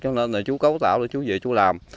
cho nên là chú cấu tạo là chú về chú làm